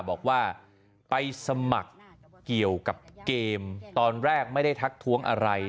บอกว่าไปสมัครเกี่ยวกับเกมตอนแรกไม่ได้ทักท้วงอะไร